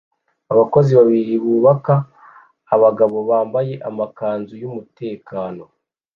Abakozi babiri bubaka abagabo bambaye amakanzu yumutekano